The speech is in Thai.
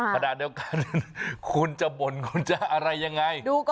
สุดท้ายคุณจะบ่นอะไรยังไง